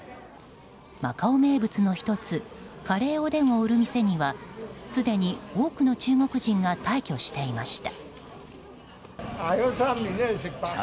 マカオ名物の１つカレーおでんを売る店にはすでに多くの中国人が大挙していました。